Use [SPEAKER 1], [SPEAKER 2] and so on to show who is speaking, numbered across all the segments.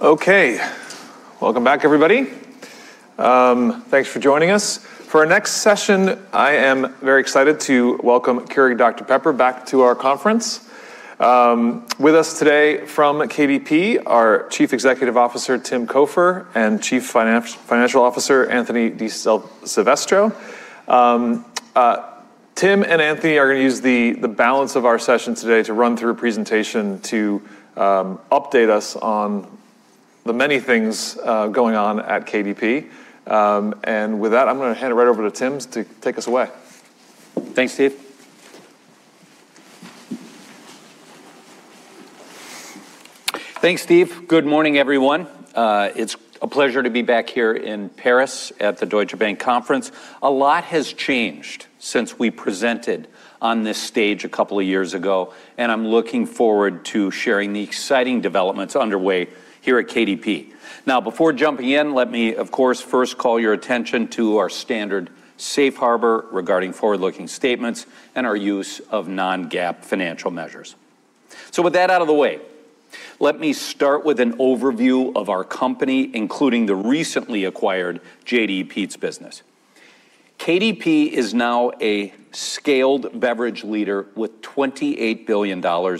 [SPEAKER 1] Welcome back, everybody. Thanks for joining us. For our next session, I am very excited to welcome Keurig Dr Pepper back to our conference. With us today from KDP, our Chief Executive Officer, Tim Cofer, and Chief Financial Officer, Anthony DiSilvestro. Tim and Anthony are going to use the balance of our session today to run through a presentation to update us on the many things going on at KDP. With that, I'm going to hand it right over to Tim to take us away.
[SPEAKER 2] Thanks, Steve. Good morning, everyone. It's a pleasure to be back here in Paris at the Deutsche Bank conference. A lot has changed since we presented on this stage a couple of years ago, and I'm looking forward to sharing the exciting developments underway here at KDP. Before jumping in, let me, of course, first call your attention to our standard safe harbor regarding forward-looking statements and our use of non-GAAP financial measures. With that out of the way, let me start with an overview of our company, including the recently acquired JDE Peet's business. KDP is now a scaled beverage leader with $28 billion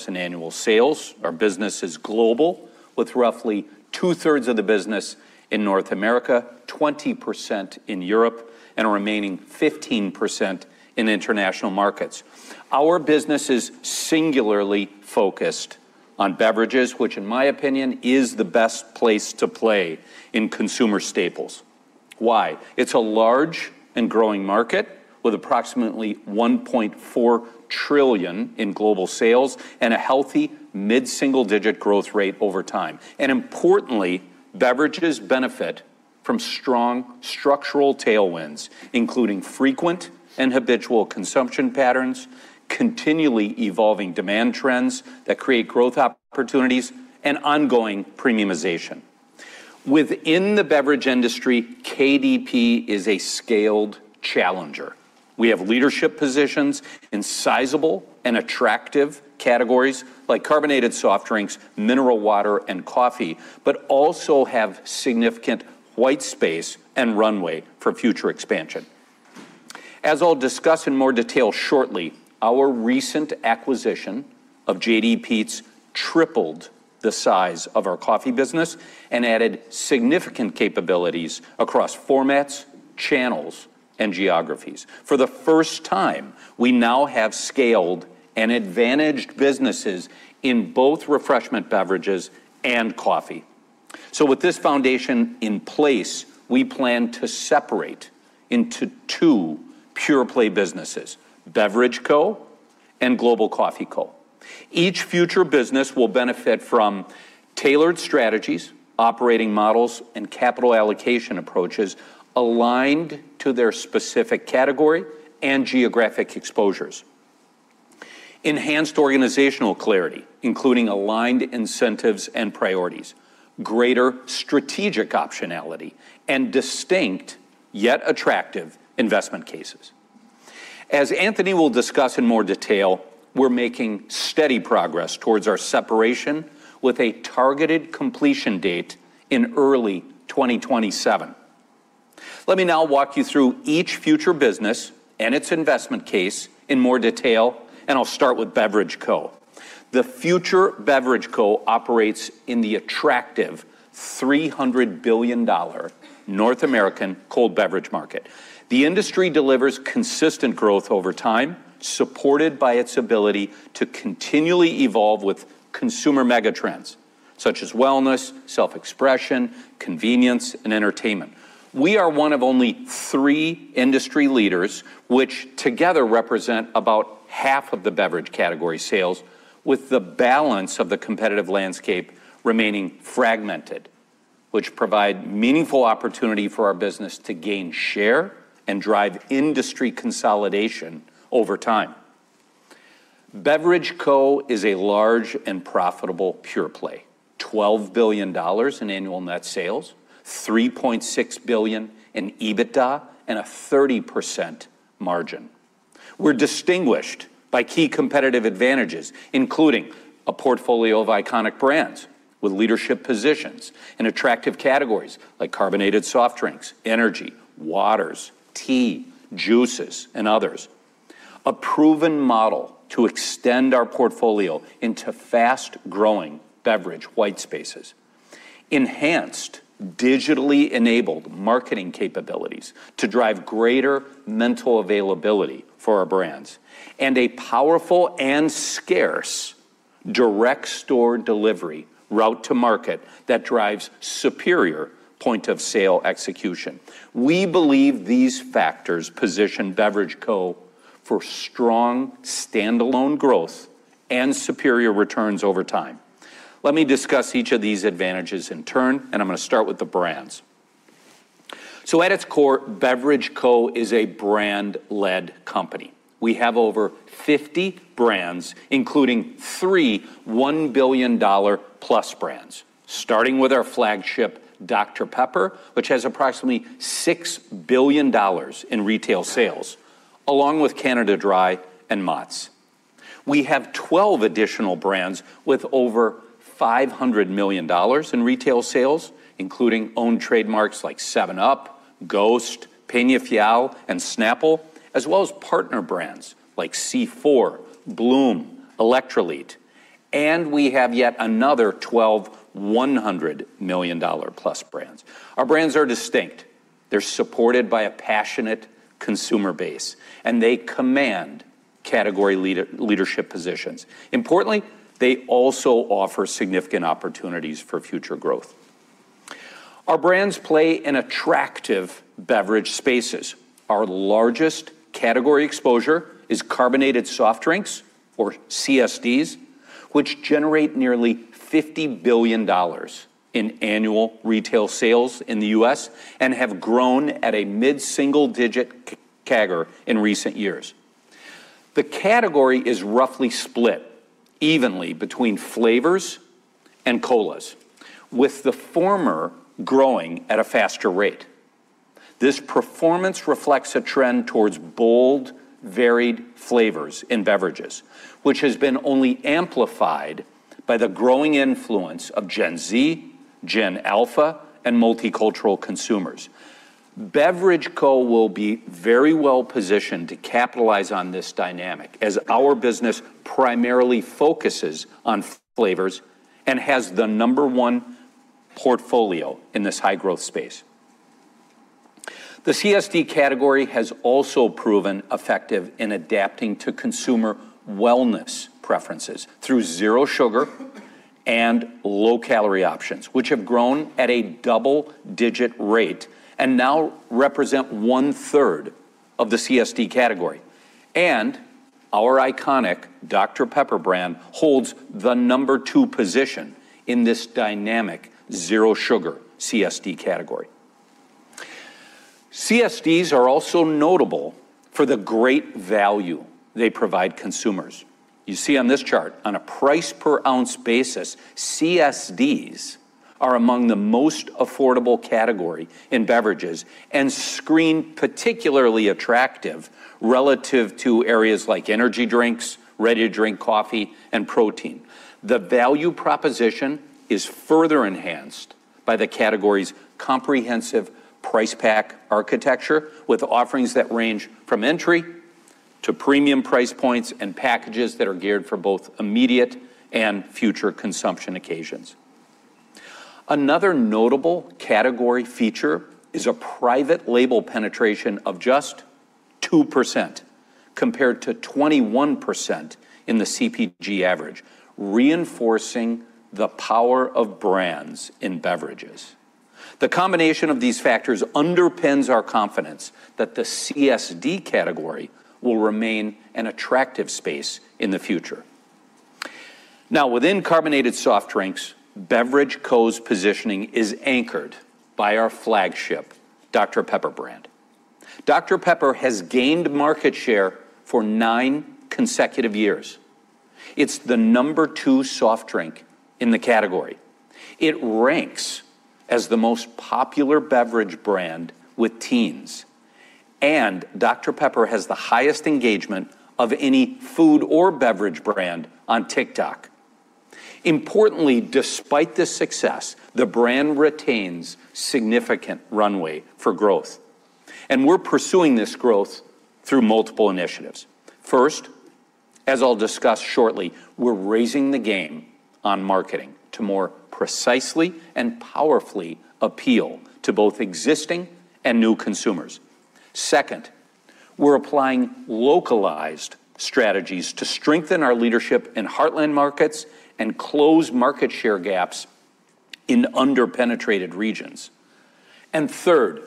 [SPEAKER 2] in annual sales. Our business is global, with roughly two-thirds of the business in North America, 20% in Europe, and a remaining 15% in international markets. Our business is singularly focused on beverages, which in my opinion is the best place to play in consumer staples. Why? It's a large and growing market with approximately $1.4 trillion in global sales and a healthy mid-single-digit growth rate over time. Importantly, beverages benefit from strong structural tailwinds, including frequent and habitual consumption patterns, continually evolving demand trends that create growth opportunities, and ongoing premiumization. Within the beverage industry, KDP is a scaled challenger. We have leadership positions in sizable and attractive categories like carbonated soft drinks, mineral water, and coffee, but also have significant white space and runway for future expansion. As I'll discuss in more detail shortly, our recent acquisition of JDE Peet's tripled the size of our coffee business and added significant capabilities across formats, channels, and geographies. For the first time, we now have scaled and advantaged businesses in both refreshment beverages and coffee. With this foundation in place, we plan to separate into two pure-play businesses, Beverage Co. and Coffee Co. Each future business will benefit from tailored strategies, operating models, and capital allocation approaches aligned to their specific category and geographic exposures. Enhanced organizational clarity, including aligned incentives and priorities, greater strategic optionality, and distinct yet attractive investment cases. As Anthony will discuss in more detail, we're making steady progress towards our separation with a targeted completion date in early 2027. Let me now walk you through each future business and its investment case in more detail, and I'll start with Beverage Co. The future Beverage Co. operates in the attractive $300 billion North American cold beverage market. The industry delivers consistent growth over time, supported by its ability to continually evolve with consumer mega trends such as wellness, self-expression, convenience, and entertainment. We are one of only three industry leaders, which together represent about half of the beverage category sales, with the balance of the competitive landscape remaining fragmented, which provide meaningful opportunity for our business to gain share and drive industry consolidation over time. Beverage Co. is a large and profitable pure-play. $12 billion in annual net sales, $3.6 billion in EBITDA, and a 30% margin. We're distinguished by key competitive advantages, including a portfolio of iconic brands with leadership positions in attractive categories like carbonated soft drinks, energy, waters, tea, juices, and others. A proven model to extend our portfolio into fast-growing beverage white spaces. Enhanced, digitally enabled marketing capabilities to drive greater mental availability for our brands. A powerful and scarce direct store delivery route to market that drives superior point-of-sale execution. We believe these factors position Beverage Co. for strong standalone growth and superior returns over time. Let me discuss each of these advantages in turn, and I'm going to start with the brands. At its core, Beverage Co. is a brand-led company. We have over 50 brands, including three $1 billion-plus brands, starting with our flagship Dr Pepper, which has approximately $6 billion in retail sales, along with Canada Dry and Mott's. We have 12 additional brands with over $500 million in retail sales, including own trademarks like 7UP, GHOST, Peñafiel, and Snapple, as well as partner brands like C4, Bloom, Electrolit. We have yet another 12 $100 million-plus brands. Our brands are distinct. They're supported by a passionate consumer base, and they command category leadership positions. Importantly, they also offer significant opportunities for future growth. Our brands play in attractive beverage spaces. Our largest category exposure is carbonated soft drinks, or CSDs, which generate nearly $50 billion in annual retail sales in the U.S. and have grown at a mid-single-digit CAGR in recent years. The category is roughly split evenly between flavors and colas, with the former growing at a faster rate. This performance reflects a trend towards bold, varied flavors in beverages, which has been only amplified by the growing influence of Gen Z, Gen Alpha, and multicultural consumers. Beverage Co. will be very well-positioned to capitalize on this dynamic, as our business primarily focuses on flavors and has the number 1 portfolio in this high-growth space. The CSD category has also proven effective in adapting to consumer wellness preferences through zero sugar and low-calorie options, which have grown at a double-digit rate and now represent 1/3 of the CSD category. Our iconic Dr Pepper brand holds the number two position in this dynamic zero sugar CSD category. CSDs are also notable for the great value they provide consumers. You see on this chart, on a price per ounce basis, CSDs are among the most affordable category in beverages and screen particularly attractive relative to areas like energy drinks, ready-to-drink coffee, and protein. The value proposition is further enhanced by the category's comprehensive price pack architecture with offerings that range from entry to premium price points and packages that are geared for both immediate and future consumption occasions. Another notable category feature is a private label penetration of just 2% compared to 21% in the CPG average, reinforcing the power of brands in beverages. The combination of these factors underpins our confidence that the CSD category will remain an attractive space in the future. Within carbonated soft drinks, Beverage Co.'s positioning is anchored by our flagship Dr Pepper brand. Dr Pepper has gained market share for nine consecutive years. It's the number two soft drink in the category. It ranks as the most popular beverage brand with teens. Dr Pepper has the highest engagement of any food or beverage brand on TikTok. Importantly, despite this success, the brand retains significant runway for growth, and we're pursuing this growth through multiple initiatives. First, as I'll discuss shortly, we're raising the game on marketing to more precisely and powerfully appeal to both existing and new consumers. Second, we're applying localized strategies to strengthen our leadership in heartland markets and close market share gaps in under-penetrated regions. Third,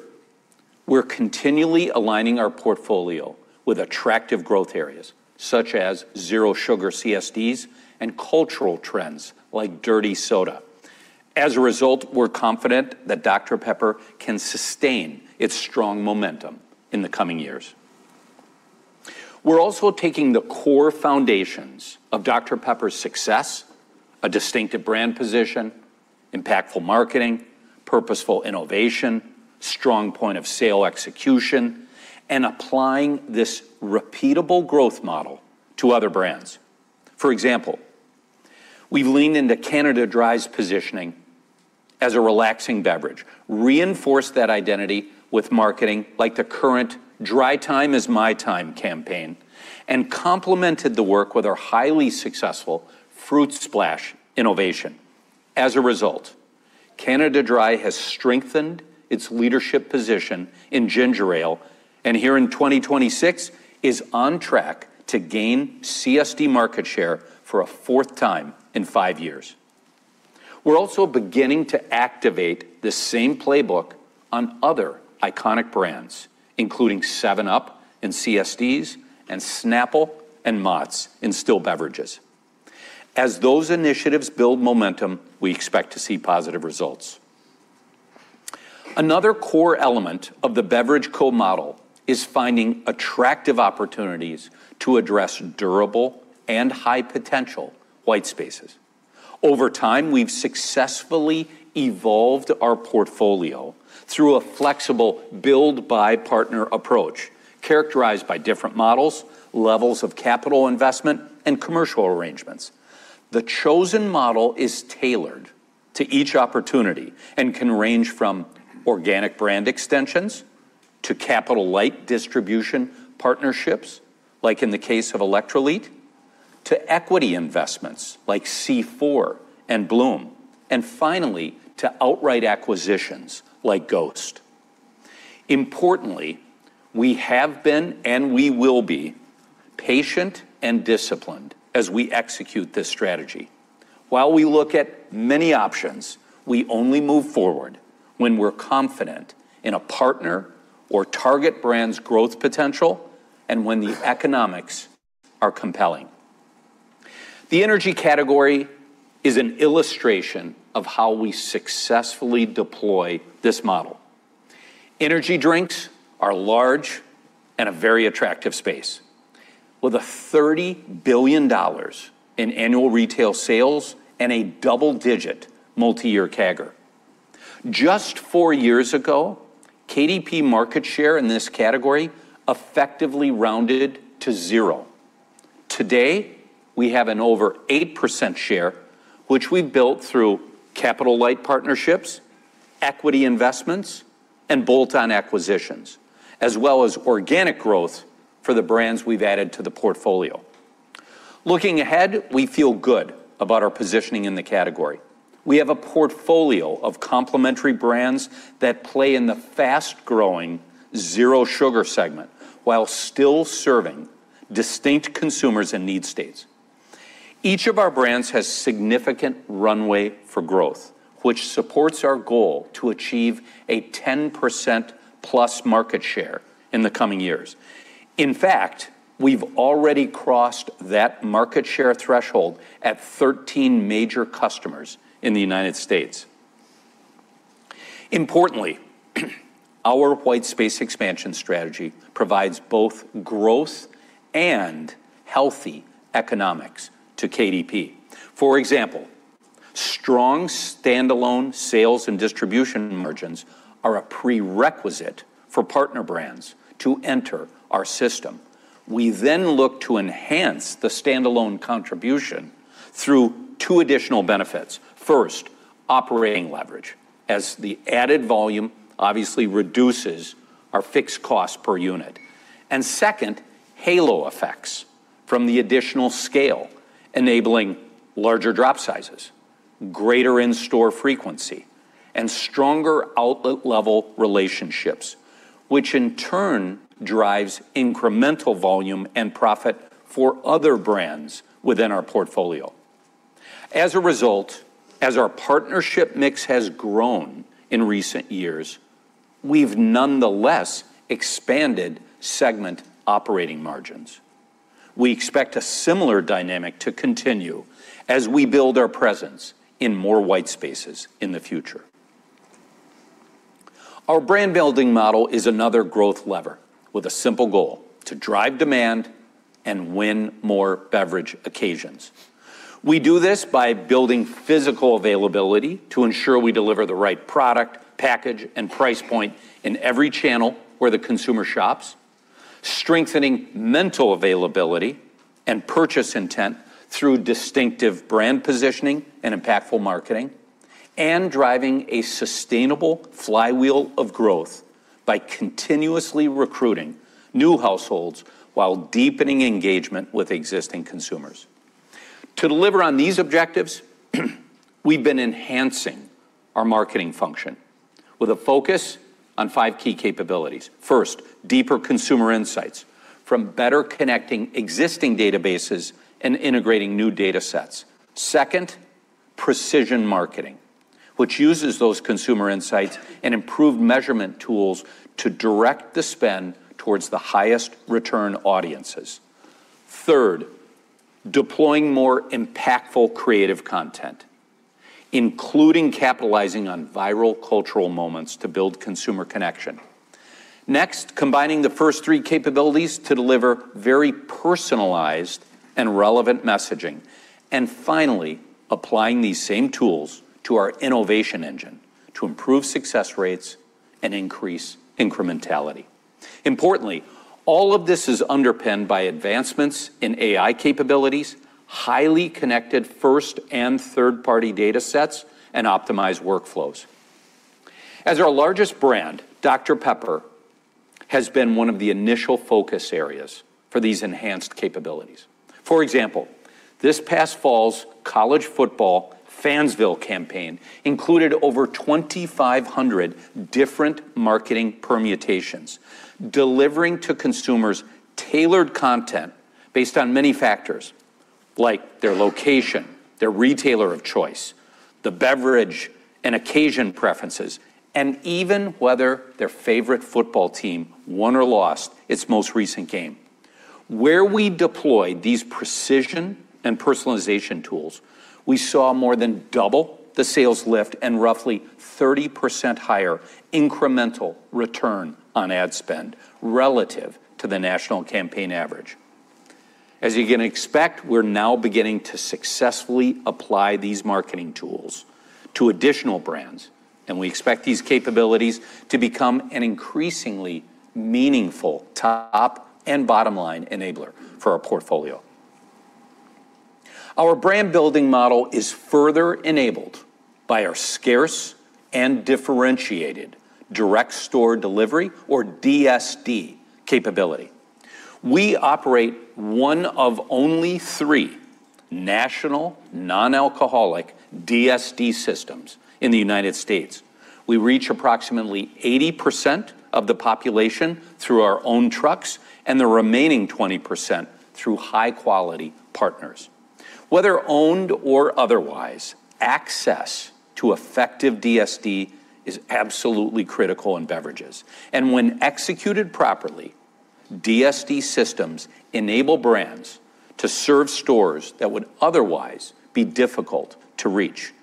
[SPEAKER 2] we're continually aligning our portfolio with attractive growth areas, such as zero sugar CSDs and cultural trends like dirty soda. As a result, we're confident that Dr Pepper can sustain its strong momentum in the coming years. We're also taking the core foundations of Dr Pepper's success, a distinctive brand position, impactful marketing, purposeful innovation, strong point-of-sale execution, and applying this repeatable growth model to other brands. For example, we've leaned into Canada Dry's positioning as a relaxing beverage, reinforced that identity with marketing like the current Dry Time is My Time campaign, and complemented the work with our highly successful Fruit Splash innovation. As a result, Canada Dry has strengthened its leadership position in ginger ale, and here in 2026, is on track to gain CSD market share for a fourth time in five years. We're also beginning to activate the same playbook on other iconic brands, including 7UP in CSDs and Snapple and Mott's in still beverages. As those initiatives build momentum, we expect to see positive results. Another core element of the Beverage Co. model is finding attractive opportunities to address durable and high-potential white spaces. Over time, we've successfully evolved our portfolio through a flexible build-buy-partner approach, characterized by different models, levels of capital investment, and commercial arrangements. The chosen model is tailored to each opportunity and can range from organic brand extensions to capital-light distribution partnerships, like in the case of Electrolit, to equity investments like C4 and Bloom, and finally, to outright acquisitions like GHOST. Importantly, we have been and we will be patient and disciplined as we execute this strategy. While we look at many options, we only move forward when we're confident in a partner or target brand's growth potential and when the economics are compelling. The energy category is an illustration of how we successfully deploy this model. Energy drinks are large and a very attractive space with a $30 billion in annual retail sales and a double-digit multiyear CAGR. Just four years ago, KDP market share in this category effectively rounded to zero. Today, we have an over 8% share, which we've built through capital-light partnerships, equity investments, and bolt-on acquisitions, as well as organic growth for the brands we've added to the portfolio. Looking ahead, we feel good about our positioning in the category. We have a portfolio of complementary brands that play in the fast-growing zero sugar segment while still serving distinct consumers and need states. Each of our brands has significant runway for growth, which supports our goal to achieve a 10%+ market share in the coming years. In fact, we've already crossed that market share threshold at 13 major customers in the United States. Importantly, our white space expansion strategy provides both growth and healthy economics to KDP. For example, strong standalone sales and distribution margins are a prerequisite for partner brands to enter our system. We then look to enhance the standalone contribution through two additional benefits. First, operating leverage, as the added volume obviously reduces our fixed cost per unit. Second, halo effects from the additional scale, enabling larger drop sizes, greater in-store frequency, and stronger outlet-level relationships, which in turn drives incremental volume and profit for other brands within our portfolio. As a result, as our partnership mix has grown in recent years, we've nonetheless expanded segment operating margins. We expect a similar dynamic to continue as we build our presence in more white spaces in the future. Our brand-building model is another growth lever with a simple goal, to drive demand and win more beverage occasions. We do this by building physical availability to ensure we deliver the right product, package, and price point in every channel where the consumer shops, strengthening mental availability and purchase intent through distinctive brand positioning and impactful marketing, and driving a sustainable flywheel of growth by continuously recruiting new households while deepening engagement with existing consumers. To deliver on these objectives, we've been enhancing our marketing function with a focus on five key capabilities. First, deeper consumer insights from better connecting existing databases and integrating new data sets. Second, precision marketing, which uses those consumer insights and improved measurement tools to direct the spend towards the highest return audiences. Third, deploying more impactful creative content, including capitalizing on viral cultural moments to build consumer connection. Next, combining the first three capabilities to deliver very personalized and relevant messaging. Finally, applying these same tools to our innovation engine to improve success rates and increase incrementality. Importantly, all of this is underpinned by advancements in AI capabilities, highly connected first and third-party data sets, and optimized workflows. As our largest brand, Dr Pepper has been one of the initial focus areas for these enhanced capabilities. For example, this past fall's college football Fansville campaign included over 2,500 different marketing permutations, delivering to consumers tailored content based on many factors like their location, their retailer of choice, the beverage and occasion preferences, and even whether their favorite football team won or lost its most recent game. Where we deployed these precision and personalization tools, we saw more than double the sales lift and roughly 30% higher incremental return on ad spend relative to the national campaign average. As you can expect, we're now beginning to successfully apply these marketing tools to additional brands, and we expect these capabilities to become an increasingly meaningful top and bottom-line enabler for our portfolio. Our brand building model is further enabled by our scarce and differentiated direct store delivery, or DSD capability. We operate one of only three national non-alcoholic DSD systems in the United States. We reach approximately 80% of the population through our own trucks, and the remaining 20% through high-quality partners. Whether owned or otherwise, access to effective DSD is absolutely critical in beverages. When executed properly, DSD systems enable brands to serve stores that would otherwise be difficult to reach,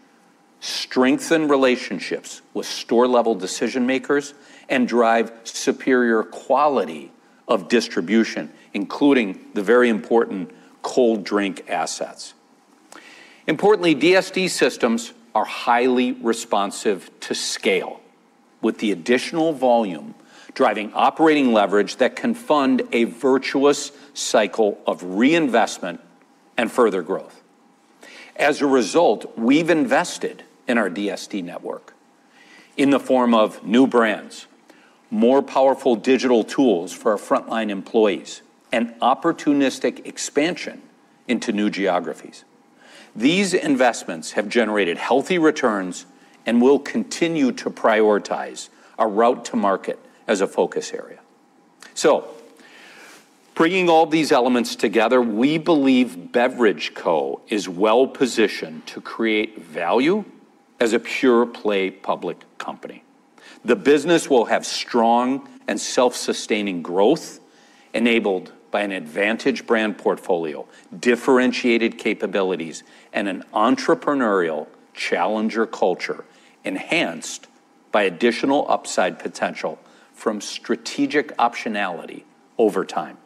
[SPEAKER 2] strengthen relationships with store-level decision makers, and drive superior quality of distribution, including the very important cold drink assets. Importantly, DSD systems are highly responsive to scale, with the additional volume driving operating leverage that can fund a virtuous cycle of reinvestment and further growth. We've invested in our DSD network in the form of new brands, more powerful digital tools for our frontline employees, and opportunistic expansion into new geographies. These investments have generated healthy returns and will continue to prioritize a route to market as a focus area. Bringing all these elements together, we believe Beverage Co. is well-positioned to create value as a pure-play public company. The business will have strong and self-sustaining growth enabled by an advantage brand portfolio, differentiated capabilities, and an entrepreneurial challenger culture enhanced by additional upside potential from strategic optionality over time.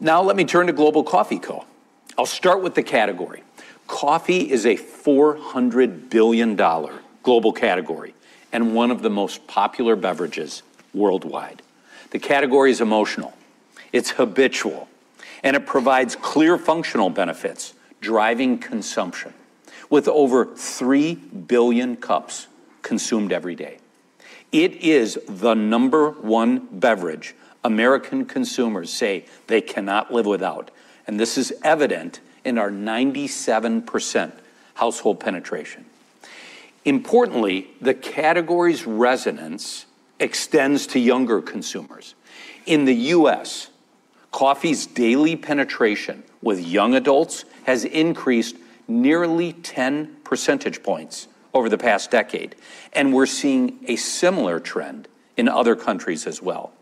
[SPEAKER 2] Let me turn to Global Coffee Co.. I'll start with the category. Coffee is a $400 billion global category, one of the most popular beverages worldwide. The category is emotional, it's habitual, it provides clear functional benefits, driving consumption with over 3 billion cups consumed every day. It is the number one beverage American consumers say they cannot live without, this is evident in our 97% household penetration. Importantly, the category's resonance extends to younger consumers. In the U.S., coffee's daily penetration with young adults has increased nearly 10 percentage points over the past decade, we're seeing a similar trend in other countries as well.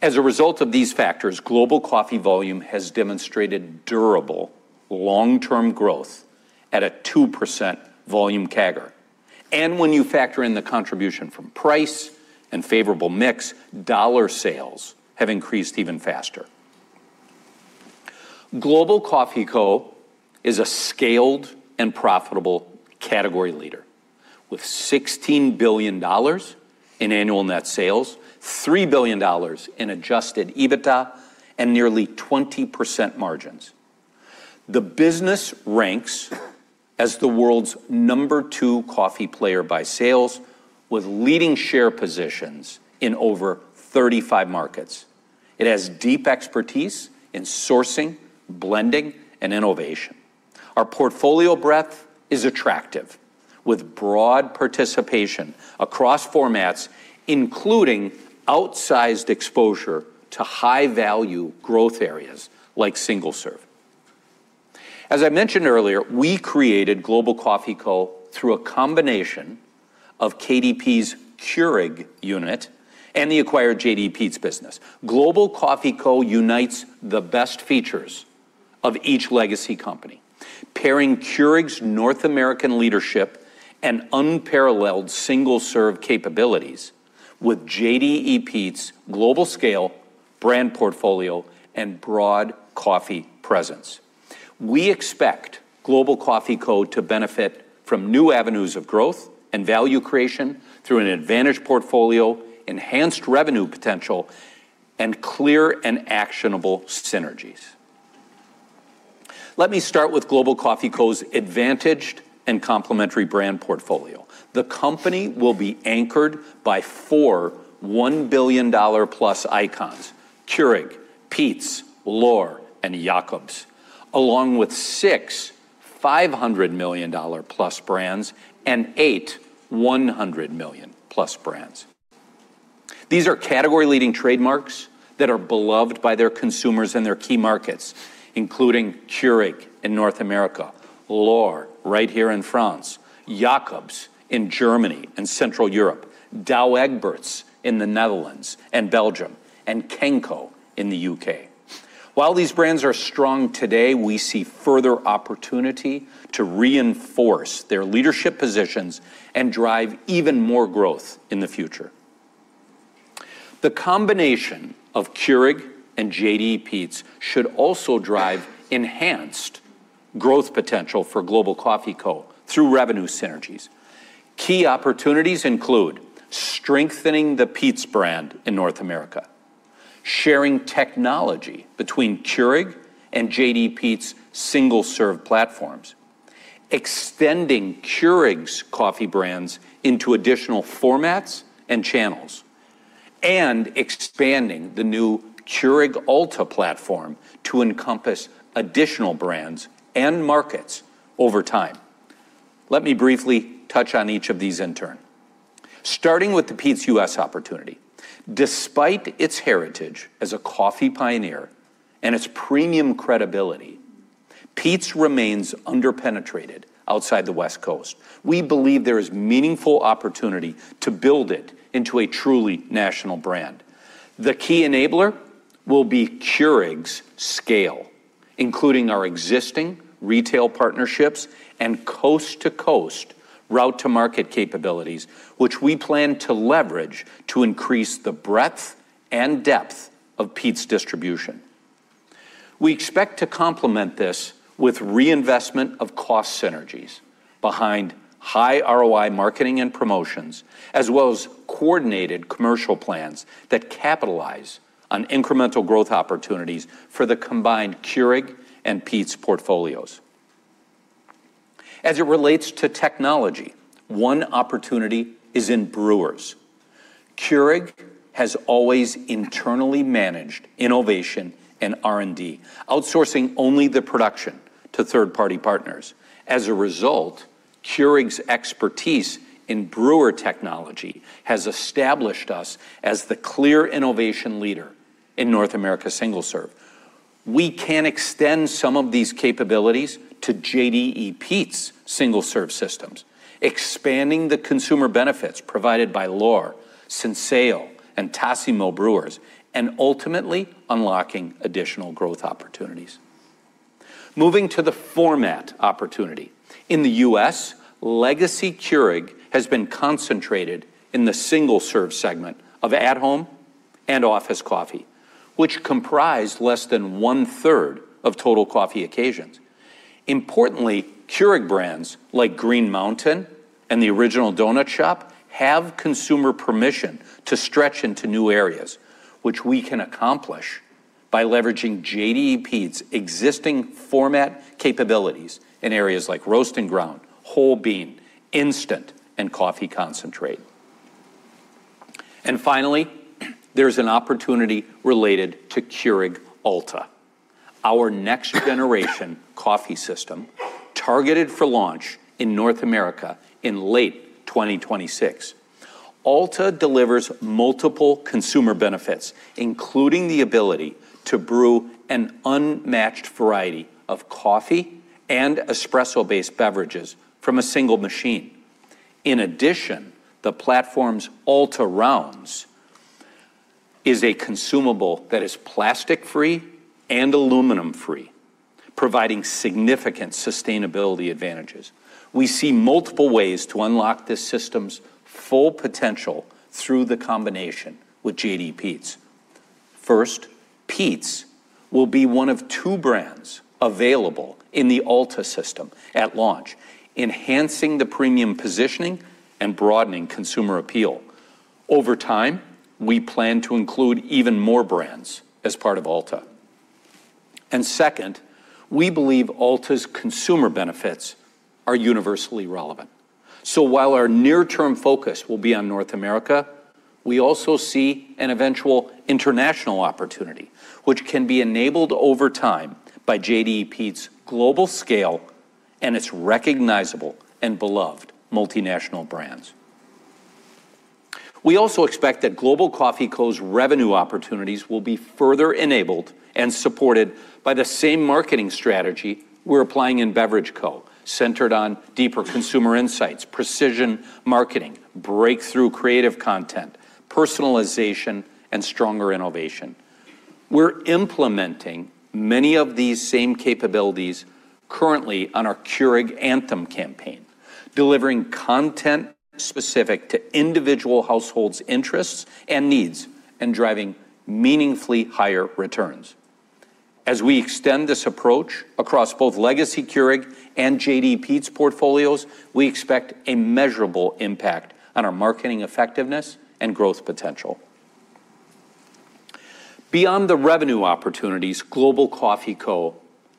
[SPEAKER 2] As a result of these factors, global coffee volume has demonstrated durable long-term growth at a 2% volume CAGR. When you factor in the contribution from price and favorable mix, dollar sales have increased even faster. Global Coffee Co. is a scaled and profitable category leader with $16 billion in annual net sales, $3 billion in adjusted EBITDA, and nearly 20% margins. The business ranks as the world's number two coffee player by sales, with leading share positions in over 35 markets. It has deep expertise in sourcing, blending, and innovation. Our portfolio breadth is attractive, with broad participation across formats, including outsized exposure to high-value growth areas like single-serve. As I mentioned earlier, we created Global Coffee Co. through a combination of KDP's Keurig unit and the acquired JDE Peet's business. Global Coffee Co. unites the best features of each legacy company, pairing Keurig's North American leadership and unparalleled single-serve capabilities with JDE Peet's global scale, brand portfolio, and broad coffee presence. We expect Global Coffee Co. to benefit from new avenues of growth and value creation through an advantage portfolio, enhanced revenue potential, and clear and actionable synergies. Let me start with Global Coffee Co.'s advantaged and complementary brand portfolio. The company will be anchored by four $1 billion+ icons, Keurig, Peet's, L'OR, and Jacobs, along with six $500 million+ brands and eight $100 million+ brands. These are category-leading trademarks that are beloved by their consumers and their key markets, including Keurig in North America, L'OR right here in France, Jacobs in Germany and Central Europe, Douwe Egberts in the Netherlands and Belgium, and Kenco in the U.K. While these brands are strong today, we see further opportunity to reinforce their leadership positions and drive even more growth in the future. The combination of Keurig and JDE Peet's should also drive enhanced growth potential for Global Coffee Co. through revenue synergies. Key opportunities include strengthening the Peet's brand in North America, sharing technology between Keurig and JDE Peet's single-serve platforms, extending Keurig's coffee brands into additional formats and channels, and expanding the new Keurig Alta platform to encompass additional brands and markets over time. Let me briefly touch on each of these in turn. Starting with the Peet's U.S. opportunity. Despite its heritage as a coffee pioneer and its premium credibility, Peet's remains under-penetrated outside the West Coast. We believe there is meaningful opportunity to build it into a truly national brand. The key enabler will be Keurig's scale, including our existing retail partnerships and coast-to-coast route-to-market capabilities, which we plan to leverage to increase the breadth and depth of Peet's distribution. We expect to complement this with reinvestment of cost synergies behind high ROI marketing and promotions, as well as coordinated commercial plans that capitalize on incremental growth opportunities for the combined Keurig and Peet's portfolios. As it relates to technology, one opportunity is in brewers. Keurig has always internally managed innovation and R&D, outsourcing only the production to third-party partners. As a result, Keurig's expertise in brewer technology has established us as the clear innovation leader in North America single serve. We can extend some of these capabilities to JDE Peet's single-serve systems, expanding the consumer benefits provided by L'OR, Senseo, and Tassimo brewers, and ultimately unlocking additional growth opportunities. Moving to the format opportunity. In the U.S., legacy Keurig has been concentrated in the single-serve segment of at-home and office coffee, which comprised less than 1/3 of total coffee occasions. Importantly, Keurig brands like Green Mountain and the Original Donut Shop have consumer permission to stretch into new areas, which we can accomplish by leveraging JDE Peet's existing format capabilities in areas like roast and ground, whole bean, instant, and coffee concentrate. Finally, there's an opportunity related to Keurig Alta, our next generation coffee system targeted for launch in North America in late 2026. Alta delivers multiple consumer benefits, including the ability to brew an unmatched variety of coffee and espresso-based beverages from a single machine. In addition, the platform's AltaRounds is a consumable that is plastic-free and aluminum-free, providing significant sustainability advantages. We see multiple ways to unlock this system's full potential through the combination with JDE Peet's. First, Peet's will be one of two brands available in the Alta system at launch, enhancing the premium positioning and broadening consumer appeal. Over time, we plan to include even more brands as part of Alta. Second, we believe Alta's consumer benefits are universally relevant. While our near-term focus will be on North America, we also see an eventual international opportunity, which can be enabled over time by JDE Peet's global scale and its recognizable and beloved multinational brands. We also expect that Global Coffee Co.'s revenue opportunities will be further enabled and supported by the same marketing strategy we're applying in Beverage Co., centered on deeper consumer insights, precision marketing, breakthrough creative content, personalization, and stronger innovation. We're implementing many of these same capabilities currently on our Keurig Anthem campaign, delivering content specific to individual households' interests and needs, and driving meaningfully higher returns. As we extend this approach across both legacy Keurig and JDE Peet's portfolios, we expect a measurable impact on our marketing effectiveness and growth potential. Beyond the revenue opportunities, Global Coffee Co.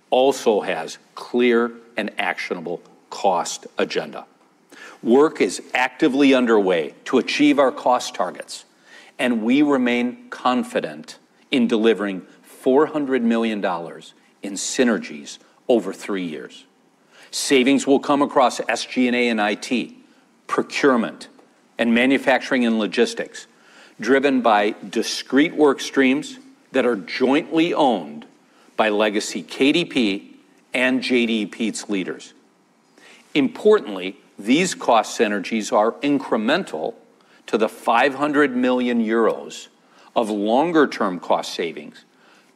[SPEAKER 2] also has clear and actionable cost agenda. Work is actively underway to achieve our cost targets, and we remain confident in delivering $400 million in synergies over three years. Savings will come across SG&A and IT, procurement, and manufacturing and logistics, driven by discrete work streams that are jointly owned by legacy KDP and JDE Peet's leaders. Importantly, these cost synergies are incremental to the 500 million euros of longer-term cost savings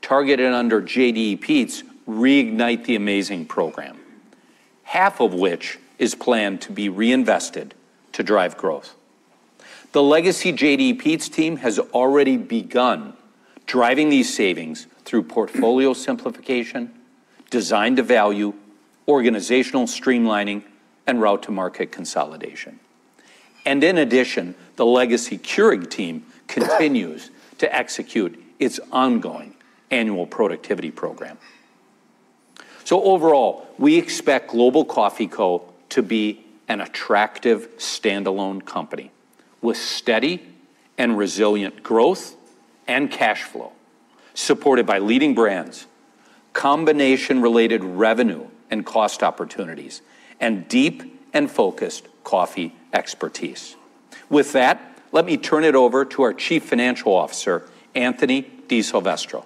[SPEAKER 2] targeted under JDE Peet's Reignite the Amazing program, half of which is planned to be reinvested to drive growth. The legacy JDE Peet's team has already begun driving these savings through portfolio simplification, design to value, organizational streamlining, and route to market consolidation. In addition, the legacy Keurig team continues to execute its ongoing annual productivity program. Overall, we expect Global Coffee Co. to be an attractive standalone company with steady and resilient growth and cash flow, supported by leading brands, combination related revenue and cost opportunities, and deep and focused coffee expertise. With that, let me turn it over to our Chief Financial Officer, Anthony DiSilvestro.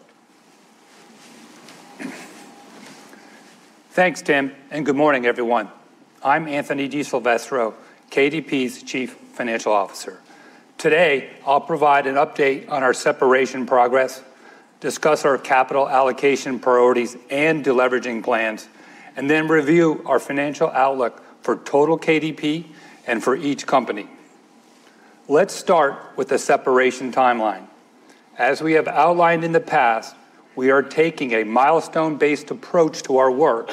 [SPEAKER 3] Thanks, Tim, and good morning, everyone. I'm Anthony DiSilvestro, KDP's Chief Financial Officer. Today, I'll provide an update on our separation progress, discuss our capital allocation priorities and deleveraging plans, and then review our financial outlook for total KDP and for each company. Let's start with the separation timeline. As we have outlined in the past, we are taking a milestone-based approach to our work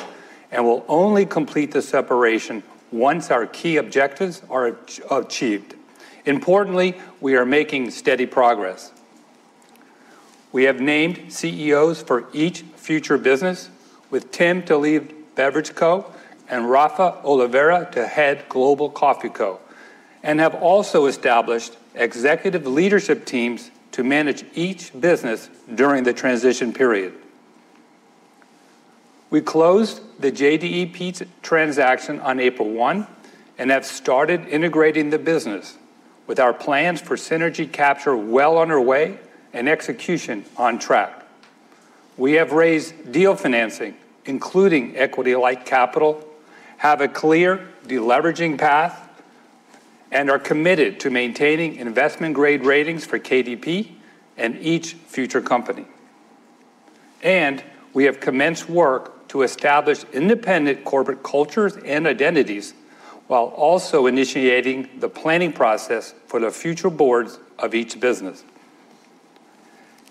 [SPEAKER 3] and will only complete the separation once our key objectives are achieved. Importantly, we are making steady progress. We have named CEOs for each future business, with Tim to lead Beverage Co. and Rafael Oliveira to head Global Coffee Co., and have also established executive leadership teams to manage each business during the transition period. We closed the JDE Peet's transaction on April 1 and have started integrating the business with our plans for synergy capture well underway and execution on track. We have raised deal financing, including equity-like capital, have a clear deleveraging path, and are committed to maintaining investment-grade ratings for KDP and each future company. We have commenced work to establish independent corporate cultures and identities while also initiating the planning process for the future boards of each business.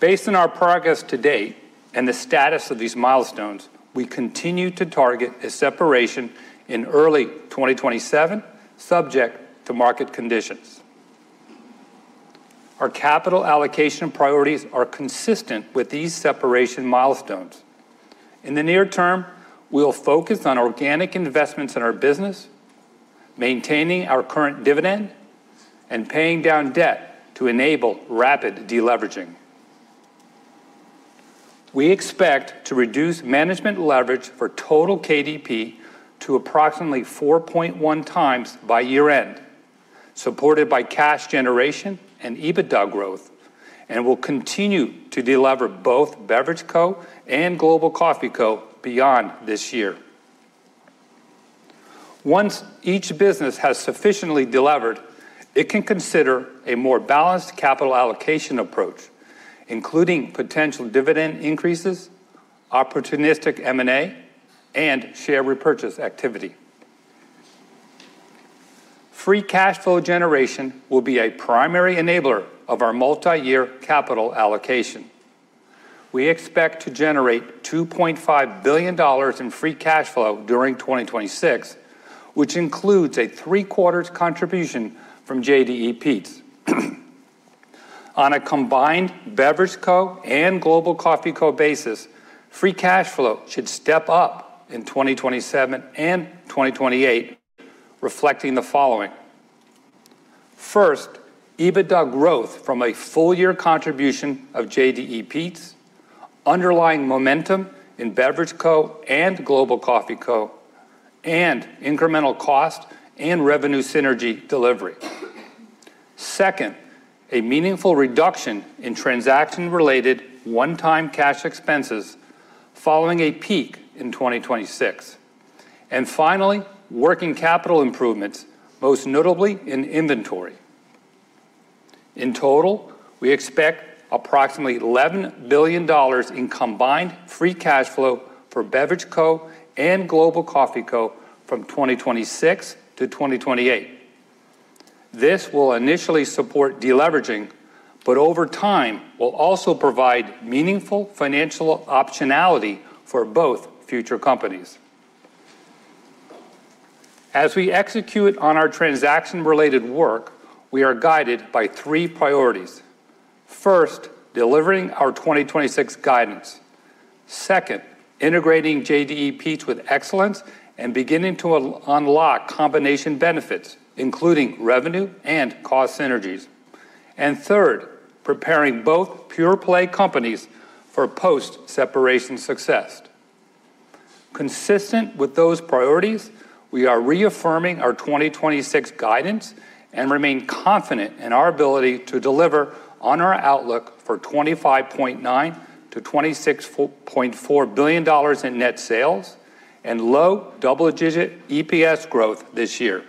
[SPEAKER 3] Based on our progress to date and the status of these milestones, we continue to target a separation in early 2027, subject to market conditions. Our capital allocation priorities are consistent with these separation milestones. In the near term, we'll focus on organic investments in our business, maintaining our current dividend, and paying down debt to enable rapid deleveraging. We expect to reduce management leverage for total KDP to approximately 4.1x by year end, supported by cash generation and EBITDA growth, and will continue to delever both Beverage Co. and Global Coffee Co. beyond this year. Once each business has sufficiently delevered, it can consider a more balanced capital allocation approach, including potential dividend increases, opportunistic M&A, and share repurchase activity. Free cash flow generation will be a primary enabler of our multi-year capital allocation. We expect to generate $2.5 billion in free cash flow during 2026, which includes a three-quarters contribution from JDE Peet's. On a combined Beverage Co. and Global Coffee Co. basis, free cash flow should step up in 2027 and 2028, reflecting the following. First, EBITDA growth from a full year contribution of JDE Peet's, underlying momentum in Beverage Co. and Global Coffee Co., and incremental cost and revenue synergy delivery. Second, a meaningful reduction in transaction-related one-time cash expenses following a peak in 2026. And finally, working capital improvements, most notably in inventory. In total, we expect approximately $11 billion in combined free cash flow for Beverage Co. and Global Coffee Co. from 2026 to 2028. This will initially support deleveraging, but over time will also provide meaningful financial optionality for both future companies. As we execute on our transaction-related work, we are guided by three priorities. First, delivering our 2026 guidance. Second, integrating JDE Peet's with excellence and beginning to unlock combination benefits, including revenue and cost synergies. Third, preparing both pure-play companies for post-separation success. Consistent with those priorities, we are reaffirming our 2026 guidance and remain confident in our ability to deliver on our outlook for $25.9 billion-$26.4 billion in net sales and low double-digit EPS growth this year.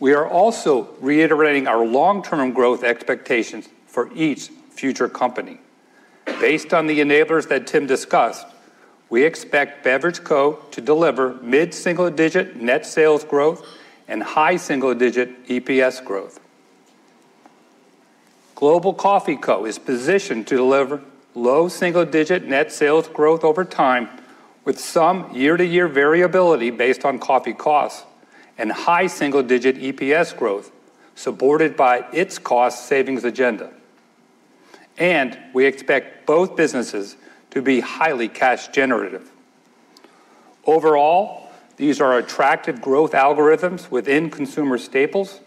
[SPEAKER 3] We are also reiterating our long-term growth expectations for each future company. Based on the enablers that Tim discussed, we expect Beverage Co.- to deliver mid-single-digit net sales growth and high single-digit EPS growth. Global Coffee Co. is positioned to deliver low single-digit net sales growth over time, with some year-to-year variability based on coffee costs and high single-digit EPS growth supported by its cost savings agenda. We expect both businesses to be highly cash generative. Overall, these are attractive growth algorithms within consumer staples,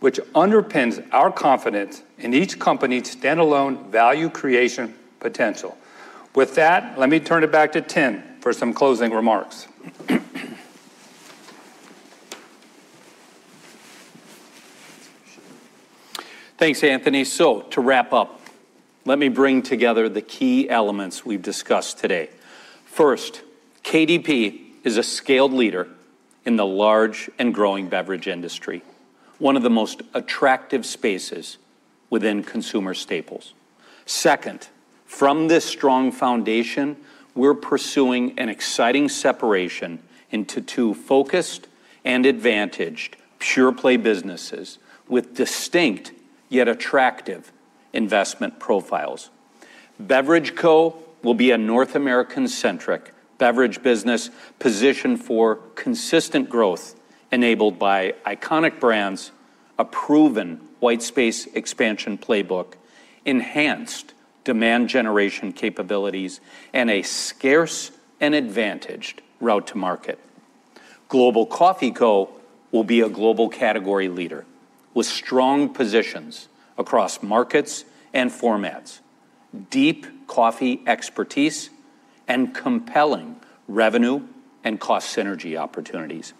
[SPEAKER 3] which underpins our confidence in each company's standalone value creation potential. With that, let me turn it back to Tim for some closing remarks.
[SPEAKER 2] Thanks, Anthony. To wrap up, let me bring together the key elements we've discussed today. First, KDP is a scaled leader in the large and growing beverage industry, one of the most attractive spaces within consumer staples. Second, from this strong foundation, we're pursuing an exciting separation into two focused and advantaged pure-play businesses with distinct yet attractive investment profiles. Beverage Co. will be a North American-centric beverage business positioned for consistent growth enabled by iconic brands, a proven white space expansion playbook, enhanced demand generation capabilities, and a scarce and advantaged route to market. Global Coffee Co. will be a global category leader with strong positions across markets and formats, deep coffee expertise, and compelling revenue and cost synergy opportunities.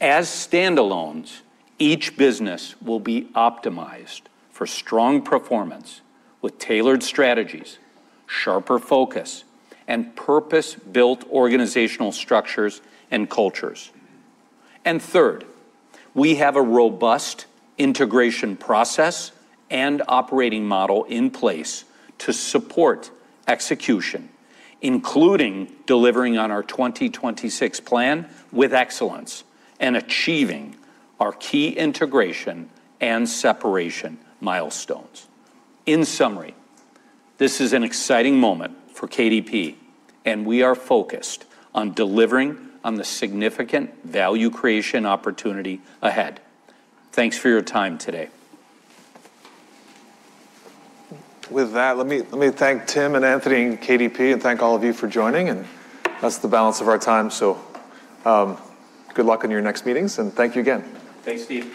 [SPEAKER 2] As standalones, each business will be optimized for strong performance with tailored strategies, sharper focus, and purpose-built organizational structures and cultures. Third, we have a robust integration process and operating model in place to support execution, including delivering on our 2026 plan with excellence and achieving our key integration and separation milestones. In summary, this is an exciting moment for KDP, and we are focused on delivering on the significant value creation opportunity ahead. Thanks for your time today.
[SPEAKER 1] With that, let me thank Tim and Anthony and KDP, and thank all of you for joining. That's the balance of our time. Good luck on your next meetings, and thank you again.
[SPEAKER 2] Thanks, Steve.